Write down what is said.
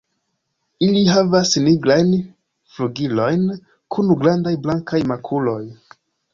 Ili havas nigrajn flugilojn kun grandaj blankaj makuloj.